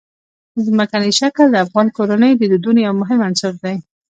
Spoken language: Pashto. ځمکنی شکل د افغان کورنیو د دودونو یو مهم عنصر دی.